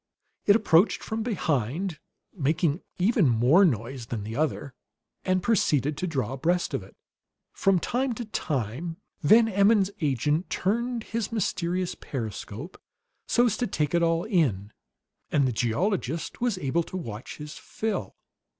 It approached from behind, making even more noise than the other, and proceeded to draw abreast of it. From time to time Van Emmon's agent turned his mysterious periscope so as to take it all in, and the geologist was able to watch his fill.